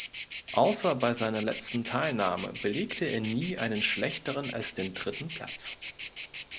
Außer bei seiner letzten Teilnahme belegte er nie einen schlechteren als den dritten Platz.